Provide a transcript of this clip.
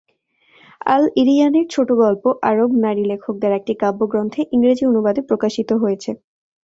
আল-ইরিয়ানির ছোটগল্প আরব নারী লেখকদের একটি কাব্যগ্রন্থে ইংরেজি অনুবাদে প্রকাশিত হয়েছে।